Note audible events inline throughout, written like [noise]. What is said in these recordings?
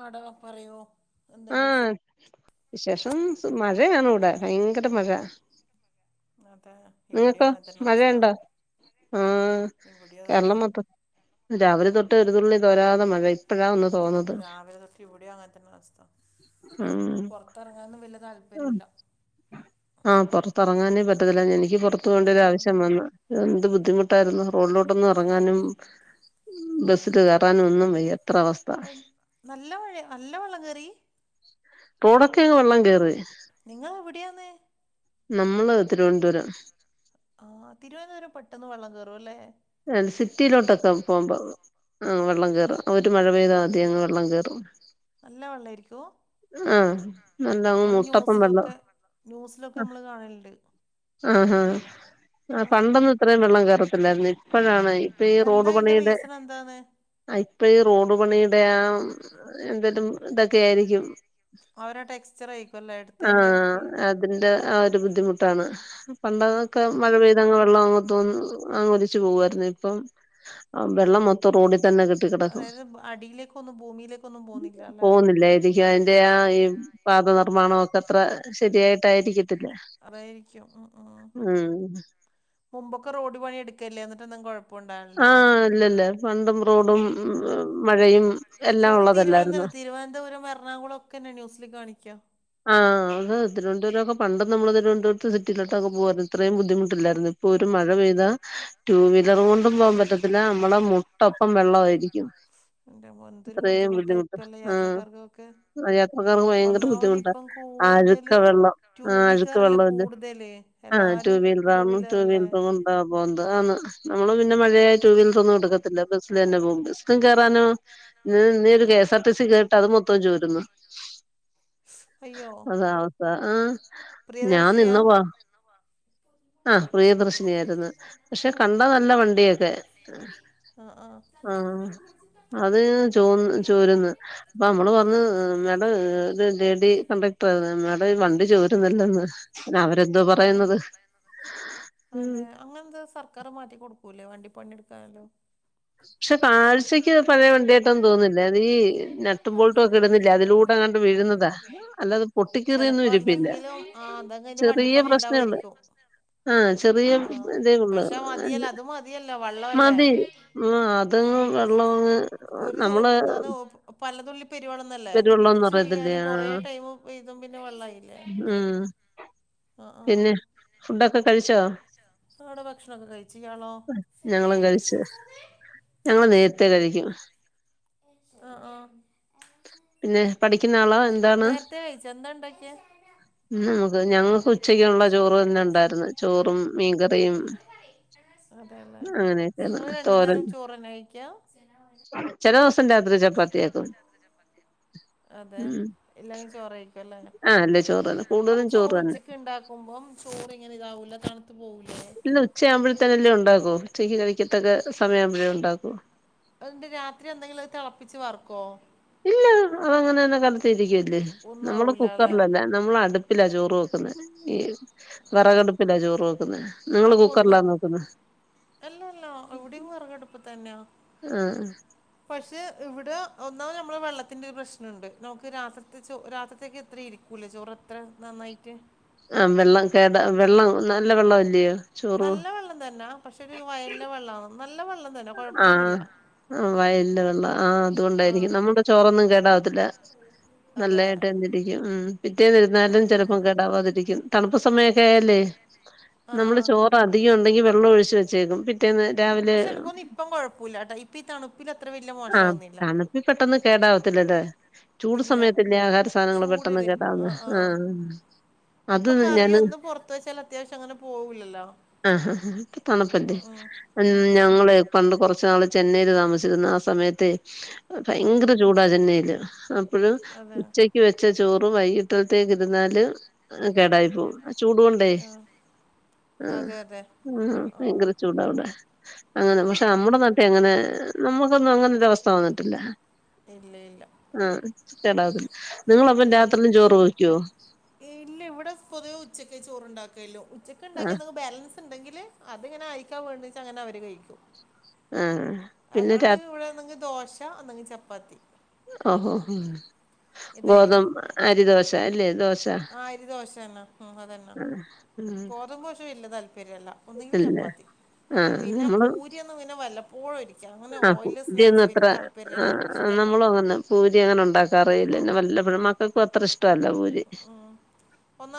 ആടാ പറയൂ. എന്തുണ്ട് വിശേഷം ആഹ് വിശേഷം സു മഴയാണ് ഇവടെ ഭയങ്കര മഴ. അതെ. ഇവിടെയും നിങ്ങക്ക് അങ്ങനെ തന്നെ മഴ അവസ്ഥ ഇണ്ടോ? ആഹ് ഇവിടെയോ തന്നെ കേര്ളം മൊത്തം രാവിലെ തൊട്ട് ഒരുതുള്ളി തോരാതെ മഴ ഇപ്പഴാ ഒന്ന് തോന്നത് രാവിലെ തൊട്ട് ഇവിടിം അങ്ങൻ തന്നേ അവസ്ഥ ഉം പൊറ ത്തറങ്ങാനും വല്ല്യ താല്പര്യല്ല. ആഹ് പൊറത്തെറങ്ങാനേ പറ്റത്തില്ല എനിക്ക് പൊറത്തു പോണ്ട ഒര മഴയായോണ്ട് ആവശ്യം വന്നു. എന്ത് ബുദ്ധിമുട്ടായിരുന്നു റോഡിലോട്ടൊന്ന് എറങ്ങാനും ബസ്സില് കേറാനും ഒന്നും വയ്യ. അത്ര അവസ്ഥ അയ് നല്ല മഴയാ നല്ല വെള്ളം കേറി? തൊടൊക്കെങ് വെള്ളം കേറി നിങ്ങൾ എവിടെയാന്ന് ന്നമ്മള് തിരുവൻന്തുരം. ആഹ് തിരുവനന്തപുരം പെട്ടെന്ന് വെള്ളം കേറു അല്ലേ. സിറ്റിയിലോട്ടൊക്കെ പോകുമ്പോ ആഹ് വെള്ളം കേറും ഒര് മഴ പെയ്താ ആദ്യം ള്ളം കേറും. നല്ല വള്ളായിരിക്കൊ ആഹ് ഉം നല്ലങ്ങ് നമ്മള് മുട്ടപ്പം വെള്ളം ന്യൂസിലൊക്കെ ന്യൂസിലൊക്കെ അമ്മള് കാണല്ണ്ട്. ആഹ് ഹാ ആ പണ്ടൊന്നും ആ ഇത്രേം വെള്ളം കേറത്തില്ലായിരുന്നു ഇ പ്പഴാണ് ഇപ്പ ഈ എന്താ റോഡ് അതിന്റെ പണീടെ റീസൺ എന്താണ് ആഹ് ഇപ്പ ഈ റോഡ് പണിയുടെ ആ എന്തേലും ഇതൊക്കെ ആയിരിക്കും അവരെ ടെക്സ്ചർ ആയിരിക്കും അല്ലേ എടുത്തതിന്റെ ആഹ് അ തിന്റെ ആ ഒരു ബുദ്ധിമുട്ടാണ്. പണ്ടതൊക്കെ ആ മഴ ആ പെയ്തങ്ങ് വെള്ളം അങ്ങു തോന്ന് അങ്ങ് ഒലി ച്ച് പോകുവായിരുന്നു. ഇപ്പം വെള്ളം മൊത്തോം റോഡി തന്നെ കെടി ട്ടി കെടക്കും അതായത് അടിയിലേക്കൊന്നും ഭൂമിയിലേക്കൊന്നും പോന്നില്ല അല്ലെ പോകുന്നില്ലായിരിക്കും. അതിന്റെ ആ ഈ പാത നിർമ്മാണോക്ക അത്ര ശരിയായിട്ടായിരിക്കത്തില്ല. അതായിരിക്കും ഉം ഉം മുമ്പൊക്കെ റോഡ് പണി എടുക്കേല്ലേ എന്നിട്ടൊന്നും കൊഴ ആഹ് ഇല്ലല്ല പണ്ടും റോഡും ഇല്ല മഴയും എല്ലാം മിക്കവാറും ഉള്ളതല്ലാരുന്നോ. തിരുവനന്തപുരം തിരുവനന്തപുരം, എറണാകുളം. ഒക്കെ ഇന്ന് ന്യൂസില് കാണിക്കാ. ആഹ് അത് തിരുവനന്തപുരോക്ക പണ്ട് നമ്മള് തിരുവന്തപുരത്ത് സിറ്റീലോട്ടക്ക പോവാർന്ന് ഇത്രയും ബുദ്ധിമുട്ടില്ലാർന്ന്. ഇപ്പൊ ഒരു മഴ പെയ്താ ടൂ വീലർ കൊണ്ടും പോകാൻ പറ്റത്തില്ല. അമ്മളെ മുട്ടൊപ്പം വെള്ളമായിരികും. എന്റമ്മോ എന്തൊരു ബുദ്ധിമുട്ടാ ബുദ്ധിമുട്ട് ഇപ്പോൾ ഉള്ള യാത്രക്കാർക്കൊക്കെ ആഹ് യാത്രക്കാർക്ക് ഭയങ്കര ഒന്നാമത് ബുദ്ധിമുട്ട്. വെ ഇപ്പം അഴ്‌ക്ക കൂടുതല് വെള്ളം ടു ആഹ് അഴ്‌ക്ക വീലറല്ലേ വെള്ളാത് കൂടുതല് ആഹ് ടു എല്ലാരും വീലർ ആകുമ്പോ ടു വീലറല്ലേ വീലറ് കൊണ്ടാ പോകുന്നത്. അതാണ് നമ്മള് പിന്നെ മഴായാ ടു വീലറ് ഒന്നും എടുക്കത്തില്ല. ബസ്സില് തന്നെ പോകും. ബെസ്ക്കും കേറാനോ നീ ഇനി ഒരു കെ എസ്ആർ ടി സി കേറീട്ട് അത് മൊത്തോം ചോരുന്നു. അയ്യോ അതാ അവസ്ഥ ആഹ്. ഞാൻ പ്രിയദർശിനിയാ നിന്ന് വാ ഞാൻ നിന്നും ആഹ് പ്രിയദർശിനി ആയിരുന്നു. പക്ഷെ കണ്ട നല്ല വണ്ടിയൊക്കെയാ ആഹ് ആഹ് ആഹ് അത് ചോന്ന് ചോരുന്ന്. അപ്പൊ അമ്മള് പറഞ്ഞു മേ [unintelligible] ഇതി കണ്ടക്ടർ ആയിരുന്നു. ഞാൻ പറഞ്ഞു വണ്ടി ചോരുന്നില്ലന്ന്. പിന്നെ അവരെന്തോ അതെ പറയുന്നത്. [inaudible] അതെ അങ്ങനെന്താ സർക്കാർ മാറ്റി കൊടുക്കൂല്ലേ വണ്ടി പണി എടുക്കാന്. പക്ഷെ കാഴ്ചക്ക് പഴയ വണ്ടിയായിട്ടൊന്നും തോന്നുന്നില്ല അതീ നട്ടും ബോൾട്ടൊക്കേ ഇടുന്നില്ലേ അതിലൂ പൊട്ടിക്കേറിയൊന്നും ചെലപ്പോ ഇരിപ്പില്ല എന്തെങ്കിലും ആഹ് എന്തെങ്കിലും വണ്ടി ചെറിയ പണി പ്രശ്നേള്ളു ഉണ്ടാവോയിരിക്കും. ആഹ് ചെറിയ ആഹ് ഇതേ ഉള്ളു പക്ഷെ മതിയല്ലേ അത് മതിയല്ലോ വള്ളമല്ലേ. മതി ആഹ് അതങ്ങ് വെള്ളമങ്ങ് ഒരു ജോ നമ്മള് എന്താണ് പല തുള്ളി പെരു വെള്ളംന്നല്ലേ. വരുള്ളൂന്ന് കൊറച്ച് അറിയത്തില്ലേ തുള്ളിയായാലും ആ കൊറേ ടൈമ് പെയ്തും പിന്നെ വെള്ളായില്ലേ. മ്ഹ് ആഹ് ആഹ് ഫുഡൊക്കെ കഴി ഫുഡ്ക്കെ കഴിച്ചോ ഇവ്ടെ ഭക്ഷണൊക്കെ കഴിച്ച് ഇയാളോ? ഞങ്ങളും എ കഴിച്ച് ഞങ്ങള് നേരത്തേ കഴിക്കും. ആഹ് ആഹ് പിന്നെ പഠിക്കുന്ന ആളാ എന്താണ്. നേരത്തെ കഴിച്ചോ എന്താ ഉണ്ടാക്കിയേ നമുക്ക് ഞങ്ങക്ക് ഉച്ചക്കൊള്ള ചോറ് തന്നെ ഉണ്ടായിര്ന്ന്. ചോറും മീൻകറിയും. അതെയല്ലേ അങ്ങനെയൊക്കെയാണ് നിങ്ങള് രണ്ടു തോരൻ നേരം ചോറ്ന്നെ കഴിക്കാം. ചില ദിവസം രാത്രി ചപ്പാത്തിയാക്കും. അതെ ഉം ഇല്ലെങ്കിൽ ചോറ് യായിരിക്കുല്ലെ. ആ അല്ല ചോറ് തന്നെ അപ്പൊ കൂടുതലും ചോറ് തന്നെ ഉച്ചക്ക് ഉണ്ടാക്ക ക്കുമ്പം ചോറ് ഇങ്ങനെ ഇതാവൂല്ലെ തണുത്ത് പോകൂലേ? ഇന്ന ഉച്ച ആകുമ്പോഴത്തന്നെല്ലേ ഉണ്ടാക്കൂ ഉച്ചക്ക് കിഴിക്കത്തൊക്കെ സമയംവുമ്പോഴേ ഉണ്ടാക്കു. എന്തരു രാത്രി എന്തെങ്കിലും അത് തിളപ്പിച്ച് വർക്കോ? ഇല്ല അതങ്ങനെത്തന്നെ കാലത്തിൽ ഇരിക്കല്ലേ ഒന്നും നമ്മള് ആവൂല അല്ലേ കുക്കറിലല്ല. നമ്മള് അടുപ്പില ചോറ് വെക്കുന്ന. ഈ വിറകടുപ്പില്ലാ ചോറ് വെക്കുന്നത്. നിങ്ങൾ അപ്പൊ ഒന്നും കുക്കറിലാനോ വെയ്ക്കുന്ന. അല്ലല്ല ഇവിടെയും വെറകടുപ്പ് തന്നെയാ ആഹ് പക്ഷേ ഇവിടേ ഒന്നാമത് നമ്മൾ വെള്ളത്തിൻ്റെ ഒരു പ്രശ്നം ഉണ്ട് നമുക്ക് രാത്രിത്തെ ചോ രാത്രിത്തേക്ക് ഇത്രെ ഇരി ക്കൂല്ല ചോറ് അത്ര നന്നായിട്ട് ആഹ് വെള്ളം കേട വെള്ളം നല്ല വെള്ളം അല്ലയോ നല്ല വെള്ളം തന്നാ പക്ഷെ ഒരു വയലിലെ വെള്ളാവും നല്ല വെള്ളം തന്നെ ആഹ് കുഴപ്പമൊന്നുമില്ല വയലിലെവെള്ളാവു ആഹ് വയലിലെ വെള്ളം ആഹ് ആ അതുകൊണ്ടായിരിക്കും നമ്മുടെ ചോറൊന്നും കേടാവത്തില്ല അതെ നല്ലതായിട്ട് തന്നെ ഇരിക്കും ഉം പിറ്റേന്നിരുന്നാലും ചിലപ്പം കേടാവാതിരിക്കും തണുപ്പ് സമയവൊക്കെ ആയാല്ലേ ആ നമ്മള് ആ ചോറ് അധികം ഉണ്ടെങ്കി വെള്ളം ഒഴിച്ച് വെച്ചേക്കും പി റ്റേന്ന് രാവിലെ പക്ഷെ എനിക്ക് തോന്ന്‌ ഇപ്പം കുഴപ്പവില്ല കേട്ടാ ഇപ്പ ഈ തണുപ്പിൽ അത്ര വല്യ ആഹ് തണുപ്പിൽ പെട്ടന്ന് കേടാവത്തില്ലടെ ചൂട് ഇല്ല സമയത്തല്ലേ ആഹാര സാധനങ്ങള് പെട്ടെന്ന് ചൂടില് ആ കേടാവുന്നെ ആ ആഹ് അത് ഇപ്പൊ ഞാന് കറിയൊന്നും പുറത്ത് വെച്ചാൽ അത്യാവശ്യം അങ്ങനെ പോവൂല്ലല്ലോ ആഹ് ആഹ് അപ്പൊ തണുപ്പല്ലേ ഉം ഞങ്ങള് പണ്ട് കുറച്ച് നാള് ചെന്നൈൽ താമസിച്ചിരുന്നു ആ സമയത്തേ ഉം ഭയങ്കര ചൂടാ ചെന്നൈയില് അപ്പഴ്‌ അതെ ഉച്ച ക്ക് വെച്ച ചോറ് വൈകിട്ടിത്തേക്ക് ഇരുന്നാല് കേടായി പോകും ആ ചൂടു കൊണ്ടേ ആ ആഹ് അതെ അതെ ആ ആഹ് ആ ഭയങ്കര ചൂടാ അവിടെ അങ്ങനെ മ ആ ആ റ്റേ അങ്ങനെ നമ്മുക്കൊന്നും അങ്ങനെ ഒരവസ്ഥ വന്നിട്ടില്ല ഇല്ല ഇല്ല ആഹ് കേടാവും നിങ്ങള് അപ്പം രാത്രിയിലും ചോറ് വെക്കുവോ ഇല്ല ഇവിടെ പൊതുവെ ഉച്ചക്കേ ചോറുണ്ടാക്കലൊള്ളു ഉച്ചക്ക് ആഹ് ഉണ്ടാക്കിയയത് ബാലൻസ് ഉണ്ടെങ്കില് അതിങ്ങനെ ആർക്കാ വേണ്ടേച്ചാ അങ്ങനെ അവര് കഴിക്കും ആഹ് പിന്നെ അല്ലാണ്ട് രാ ഇവിടെ ഒന്നെങ്കിൽ ദോശ ഒന്നെങ്കിൽ ചപ്പാത്തി ഓഹോ ഹോ ഇതായിരിക്കും അല്ലേ ദോശ ആഹ് അരി ദോശ തന്നാ ഉ അതന്നാ ആഹ് ഉം ഗോതമ്പ് ദോശ വല്യ താല്പര്യവല്ല ഒന്നെങ്കില് ഇല്ല ചപ്പാത്തി ആഹ് പിന്നെ നമ്മള് പൂരി യൊക്കെ പിന്നെ വല്ലപ്പോഴും ഒരിക്കൽ അങ്ങനെ ആഹ് ഓയിലി സ്നാക്സ് പൂരിയൊന്നും അത്ര വലിയ താല്പര്യല്ല ആഹ് ഇഷ്ടല്ല നമ്മളും അങ്ങനെ പൂരി ഞാൻ അങ്ങനെ ഉണ്ടാക്കാറേയില്ല പിന്നെ വല്ലപ്പോഴും മക്കൾക്കും അത്ര ഇഷ് ടവല്ല പൂരി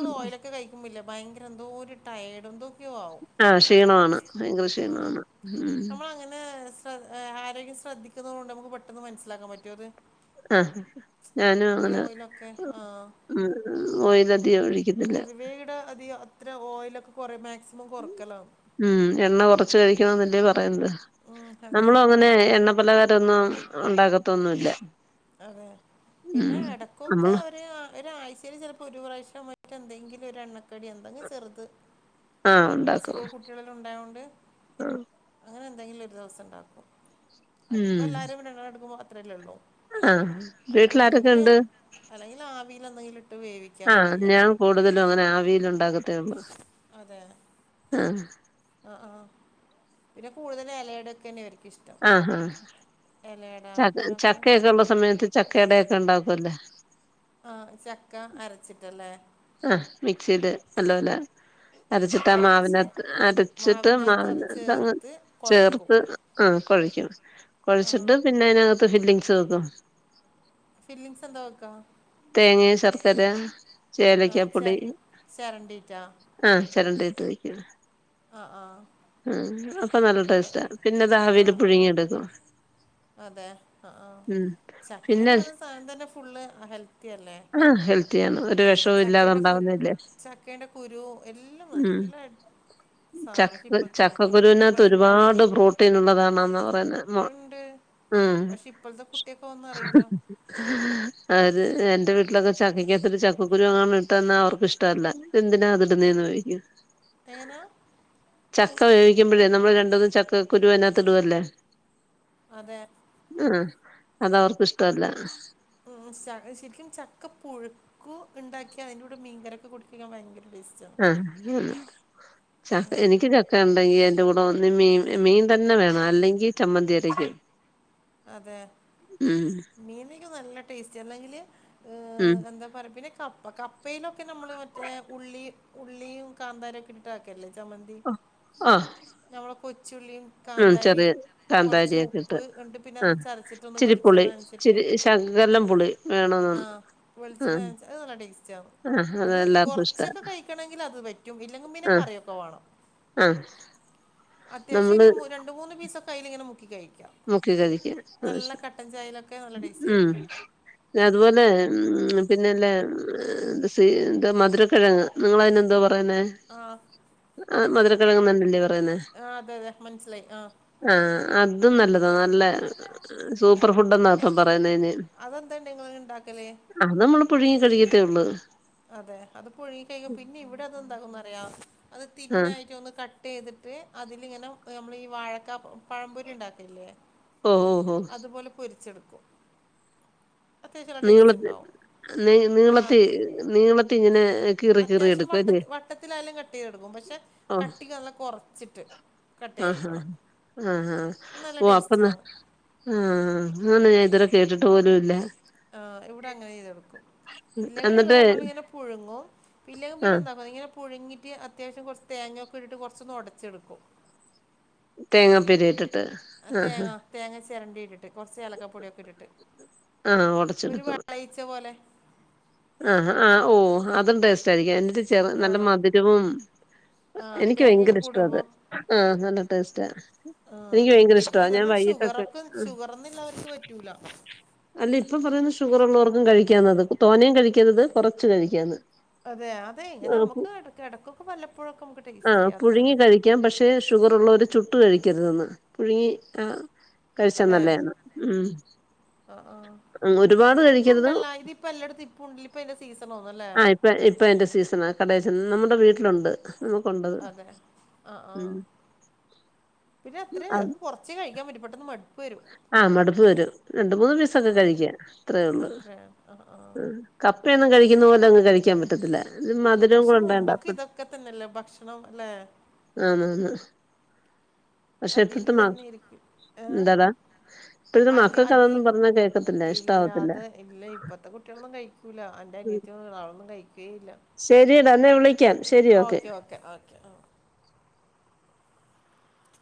ഉം ക്കെ കഴിക്കുമ്പോ ഇല്ലേ ഭയങ്കര എന്തോ ഒരു ടയേർഡ് എന്തോ ക്കും ആവും ആഹ് ആ ക്ഷീണമാണ് ഷീണം ഭയങ്കര ആവും ഉം ക്ഷീണമാണ് ഉം നമ്മൾ അങ്ങെനെ ആരോഗ്യം ശ്രദ്ധിക്കുന്നത് കൊണ്ട് നമുക്ക് പെട്ടെന്ന് മനസ്സിലാക്കാൻ പറ്റും അത് ആഹ് ഞാനും ഈ അങ്ങനെ ഉം ഓയിലധികം ഒഴിക്കത്തില്ല പൊതുവെ ഇവിടെ അതി അത്ര ഓയിലൊക്കെ കൊറ മാക്സിമം കൊറക്കലാ ഉം എണ്ണ കൊറച്ച് കഴിക്കണം എന്നല്ലേ പറയുന്നത് ഉം അതെ നമ്മളും അങ്ങനെ എണ്ണ പലഹാരവൊന്നും ഉണ്ടാകത്തൊന്നുവില്ല അതെ പിന്നെ എടക്കൊക്കെ നമ്മള് ഒര് ഒരാഴ്ചയില് ചിലപ്പോൾ ഒരു പ്രാവശ്യം മറ്റ് എന്തെങ്കിലും ഒരു എണ്ണക്കടി എന്തെങ്കിലും ചെറുത് ആഹ് ഉണ്ടാക്കും സ്കൂൾ കുട്ടികള് ഉണ്ടായോണ്ട് ആഹ് അങ്ങനെ എന്തെങ്കിലും ഒരു ദിവസം ഇണ്ടാക്കും അതിപ്പോം ഉം എല്ലാരും [unintelligible] മാത്രല്ലേ ഉള്ളൂ ആഹ് അല്ല വീട്ടിലാരൊക്കെ ഇല്ലെങ്കിൽ ഉണ്ട് അല്ലെങ്കിൽ ആവിയിൽ എന്തെങ്കിലും ഇട്ട് വേവിക്കും ആഹ് ഞാൻ കൂടുതലും അങ്ങനെ ആവിയിൽ ഉണ്ടാക്കത്തേ ഉള്ളു അതെ. ആഹ്. ആഹ് ആഹ് പിന്നെ കൂടുതൽ എലയടൊക്കെന്നെ ഇവര്ക്ക് ഇഷ് ആഹാ ചക് അങ്ങനെയൊക്കെ ചക്കയൊക്കെ ഉള്ള സമയത്ത് ചക്കേടെയൊക്കെ ഉണ്ടാക്കു അല്ലേ ആഹ് ചക്ക അരച്ചിട്ടല്ലേ. ആഹ് മിക്സെയ്ത് നല്ലോലെ അരച്ചിട്ടാ അരച്ച് മാവിനകത്ത് അരച്ചിട്ട് മാവിൻ്റെ അകത്ത് അത് മാവിനകത്തങ്ങ് ചേർത്ത് കുഴക്കും ചേർത്ത്. ആഹ് കൊഴക്കും. ആ കൊഴച്ചിട്ട് പിന്നെ അയിനകത്ത് ഫില്ലിങ്സ് വെക്കും. ഫില്ലിങ്ങ്സ് എന്താ വെക്കാ? തേങ്ങയും, ശർക്കര, ആ ചെ ചേലക്കാപ്പൊടി. ചിരണ്ടിയിട്ടാ ആഹ് ചെരണ്ടീട്ട് വയ്ക്കും. ആഹ് ആഹ്. ആഹ് അപ്പ നല്ല ടേസ്റ്റാ. പിന്നത് ആവീല് പുഴുങ്ങി എടുക്കും. അതെ അഹ്ആഹ് പിന്നെ ചക്കേന്ന് പറഞ്ഞ സാനം തന്നെ ഫുള്ള് ഹെൽത്തിയല്ലേ. ആ ഹെൽത്തിയാണ് ഒരു വിഷവും ഇല്ലാതെ ചക്കേന്റെ കു ഉണ്ടാവുന്നതല്ലേ ചക്കേന്റെ കുരു എല്ലം നല്ലെ. ചക് ചക്കക്കുരുനകത്ത് ഒരുപാട് പ്രോട്ടീൻ ഉള്ളതാണാന്നാ പറയുന്നെ. ന്നൊ ഉണ്ട് ഉം പക്ഷെ ഇപ്പോഴത്തെ കുട്ടിയൊക്കെ ഒന്നും അറിയില്ല ആര് എന്റെ വീട്ടിലൊക്കെ ചക്കക്കകത്തൊരു ചക്കക്കരു എങ്ങാണം ഇട്ട് തന്നാ അവർക്ക് ഇഷ്ട്ട അല്ല. ഇതെന്തിനാ അതിടുന്നേന്ന് ചോയ്ക്ക്യും. എങ്ങനാ? ചക്ക വേവിക്കുമ്പഴേ നമ്മള് രണ്ടൂന്ന് ചക്ക കുരുവൈനകത്ത് ഇടുവല്ലോ. അതെ. ആഹ് അതവർക്ക് ഇഷ്ട്ട അല്ല. ഓഹ് ശക ശരിക്കും ചക്കപ്പുഴു ക്കു ഇണ്ടാക്കിയാ അതിന്റൂടെ മീങ്കറിയൊക്കെ കൂട്ടിക്കഴിക്കാൻ ഭയങ്കര ടേസ്റ്റാ. ആഹ് ആന്ന് ച എനിക്ക് ചക്ക ഉണ്ടെങ്കി അയ്ന്റെ കൂടെ ഒന്ന് മീൻ, മീൻ തന്നെ വേണം അല്ലെങ്കി ചമ്മന്തി അരക്കും. അതെ. ഉം മീൻ ക്ക് നല്ല ടേസ്റ്റാ അല്ലെങ്കിൽ ഏഹ് ഉം. എന്താ പറ പിന്നെ കപ്പ കപ്പയിലൊക്കെ നമ്മൾ മറ്റേ ഉള്ളി ഉള്ളിയും കാന്താരിയൊക്കെ ഇട്ട് ട്ടാക്കല്ലേ ചമ്മന്തി ആഹ് ഞമ്മളെ കൊച്ചുള്ളിയും ഉം കാന്താരി ചെറിയ കൊർച്ച് കാന്താരിയൊക്കെ ഉപ്പ് ഇട്ട് ൺട്ട് അത് ആഹ് ചതച്ചിട്ടൊന്ന് ഇച്ചിരി പുളി വെളിച്ചണ്ണൻച്ചിട്ട് ഇച്ചിരി ശകലം പുളി വേണോന്ന് ആഹ്. ആഹ് വെളിച്ചെണ്ണൻച്ചാ അത് നല്ല ടേസ്റ്റാണ്. ആഹ് അത് എല്ലാർക്കും ഇഷ്ടാ കൊർച്ചൊക്കെ കഴിക്കണെങ്കിൽ അത് പറ്റും ഇല്ലെങ്കി പിന്നെ ആഹ് കറി യൊക്ക വാണം. ആഹ് നമ്മള് അത്യാവശ്യൊരു രണ്ട് മൂന്ന് പീസൊക്കെ അയ്ല്ങ്ങനെ മുക്കി കഴിക്കാം. മുക്കി കഴിക്കാം ആഹ് നല്ല ശ കട്ടൻ ചായയിലൊക്കെ നല്ല ടേസ്റ്റ് ഉം. ആയിരിക്കും പിന്നെ അതുപോലെ ഹ്മ് പിന്നെല്ലെ ഹ് സീ ദ് മധുരക്കിഴങ്ങ്. നിങ്ങളയ്ന് എന്തോ പറയുന്നേ? ആ ആഹ് മധുരക്കിഴങ്ങന്നാണ്ടല്ലേ പറയുന്നെ. ആ അതെ അതെ മനസ്സിലായി ആ ആഹ് അതും നല്ലതാ നല്ല ഹ് സൂപ്പർ ഫുഡെന്ന ഇപ്പം പറയുന്നയ്ന്. അതെന്താ ണ്ട് ഇങ്ങൾ ഇണ്ടാക്കല്. അത് നമ്മള് പുഴുങ്ങി കഴിക്കത്തേ ഉള്ള്. അതെ അത് പുഴുങ്ങി കഴിക്കും. പിന്നെ ഇവിടെ അതെന്താക്കുംന്ന്റിയോ അത് ആഹ് തിന്നായിറ്റൊന്ന് ക ട്ടെയ്തിട്ട് അതിലിങ്ങനെ നമ്മളീ വാഴക്കാപ്പം പഴംപൊരി ഇണ്ടാക്കൽല്ലേ? ഒ ഓഹ്. ഓഹ് അതുപോലെ പൊരിച്ചെടുക്കും അത്യാവശ്യം നല്ല ടേസ്റ്റ് നീളത്തി ഇണ്ടാവും നീ ആഹ് നീളത്തി നീളത്തി ഇങ്ങനെ കീറി കീറി അത്യാവശ്യം എടുക്കും അല്ലേ വട്ടത്തി വട്ടത്തിലായാലും കട്ട് ചെയ്തെടുക്കും പക്ഷെ ഓഹ് കട്ടികള് കൊറച്ചിട്ട് ആഹ് ആഹ് ആഹ് ആഹ് നല്ല ഓ അപ്പം നൽ ടേസ്റ്റാണ് ആഹ് അങ്ങനെ ഞാൻ ഇത് വരെ കേട്ടിട്ട് പോലും ഇല്ല ആഹ് ഇവടെ അങ്ങനെ ചെയ്തെടുക്കും ഇല്ലെങ്കിൽ നിങ്ങള് എന്നിട്ട് പറഞ്ഞ പോലിങ്ങനെ പുഴുങ്ങും ഇല്ലെങ്കി പിന്നെ ആഹ് എന്താക്ക ഇങ്ങനെ പുഴുങ്ങിട്ട് അത്യാവശ്യം കൊറച്ച് തേങ്ങയൊക്കെ ഇട്ട്ട്ട് കൊറച്ചൊന്ന് ഒടച്ചെടുക്കും തേങ്ങാപ്പീര ഇട്ടിട്ട് തേങ്ങ ആഹ് തേങ്ങ ചിരണ്ടി ഇട്ടിട്ട് കൊറച്ച് ഏലക്കാപ്പൊടിയൊക്കെ ഇട്ടിട്ട് ആഹ് ഒരു ഒടച്ചെടുക്കും വെളയിച്ച പോലെ ആഹ് ആഹ് ഓ അതും ടേസ്റ്റ് ആയിരിക്കും എന്നിട്ട് ചെർ ആ നല്ല മധുരവും ആ എനിക്ക് തേങ്ങയൊക്കെ ഭയങ്കര ഇഷ്ടാ കൂടുമ്പോ അത് ആഹ് നല്ല ടേസ്റ്റാ ആഹ് എനിക്ക് ഭയങ്കര ഇഷ്ട പിന്നെ ഞാൻ ഇതൊന്നും വൈകിട്ടൊക്കെ ഷുഗറൊക്കെ ആഹ് ഷുഗറൊന്നും ഇള്ളവർക്ക് പറ്റൂല അല്ലിപ്പൊ പറയുന്ന് ഷുഗർ ഉള്ളവർക്കും കഴിക്കാന്നത് തോനയും കഴിക്കര്ത് കൊറച്ച് കഴിക്കാന്ന് അതെ അതെ ഇങ്ങനെ ആഹ് പു അമ്മുക്ക് എടക്കൊക്കെ വല്ലപ്പോഴൊക്കെ അമ്മക് ആഹ് പുഴുങ്ങി കഴിക്കാം പക്ഷെ ഷുഗറുള്ളവര് ചുട്ട് കഴിക്കരുതെന്ന് പുഴുങ്ങി ആ കഴിച്ചാ നല്ലയാന്ന് ഉം ആഹ് ആഹ് ഉം ഒരുപാട് ഇപ്പ കഴിക്കരുത് ഉണ്ടല്ലാ ഇതിപ്പ എല്ലടത്തും ഇപ്പ ഉണ്ട് ഇപ്പ ഇതിന്റെ സീസണാന്നല്ലേ ആഹ് ഇപ്പ ഇപ്പ അതിന്റെ സീസണാ കടേചെന്ന നമ്മുടെ വീട്ടിലുണ്ട് നമ്മക്കൊണ്ട് അതെ ആഹ് ആഹ് പിന്നെ അത്ര അത് കൊറച്ചേ കഴിക്കാൻ പറ്റു പെട്ടെന്ന് മട് ആഹ് മടുപ്പ് വരും രണ്ട് മൂന്ന് പീസൊക്കെ കഴിക്കാം ഇത്രേ ഉള്ളൂ അത്രേ ആ ആ കപ്പയൊന്നും കഴിക്കുന്ന പോലങ്ങ് കഴിക്കാൻ പറ്റ് ഇല്ല പക്ഷെ മുമ്പൊക്കെ ഇതൊക്കെ തന്നെല്ലേ ഭക്ഷണം അല്ലെ ആന്നാന്ന് പക്ഷെ അധികം ഇപ്പത്തെ മക് ഇതന്നെയായിരിക്കും ഏ എന്താട ഇപ്പഴത്തെ അതി മക്കക്ക് അതൊന്നും അധികം പറഞ്ഞാ കേക്കത്തില്ല ഇല്ല ഇഷ്ടാവത്തില്ല അത് ഇല്ല ഇപ്പത്തെ കുട്ടികളൊന്നും കയിക്കൂല്ല എന്റെ അനിയത്തിയൊന്നും അവളൊന്നും കയിക്കേയില്ല ശരിയടാ അന്നെ വിളിക്കാം ശരി ഓക്കെ ഓക്കെ ഓക്കെ ആഹ്